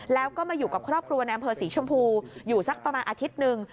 แล้วก็มาอยู่กับครอบครัวในอำเภอศรีชมพูอยู่สักประมาณอาทิตย์หนึ่ง